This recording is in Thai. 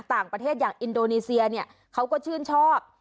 ต่างประเทศอย่างอินโดนีเซียเนี่ยเขาก็ชื่นชอบ